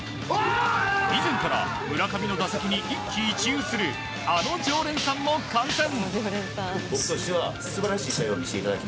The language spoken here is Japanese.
以前から、村上の打席に一喜一憂するあの常連さんも観戦！